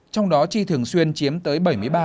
trong đó chi thường xuyên chiếm tới bảy mươi ba